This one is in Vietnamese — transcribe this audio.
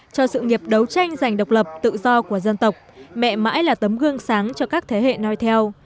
cho sự nghiệp đấu tranh giành độc lập tự do của dân tộc mẹ mãi là tấm gương sáng cho các thế hệ nói theo